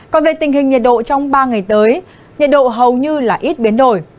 còn về tình hình nhiệt độ trong ba ngày tới nhiệt độ hầu như là ít biến đổi